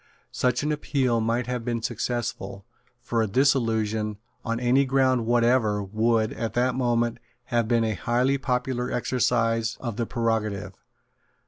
Such an appeal might have been successful: for a dissolution, on any ground whatever, would, at that moment, have been a highly popular exercise of the prerogative.